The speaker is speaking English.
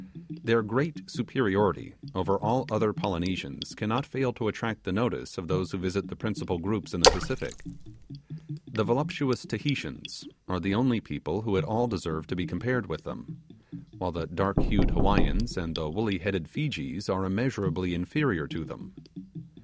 Their great superiority over all other Polynesians cannot fail to attract the notice of those who visit the principal groups in the Pacific. The voluptuous Tahitians are the only people who at all deserve to be compared with them; while the dark haired Hawaiians and the woolly headed Feejees are immeasurably inferior to them.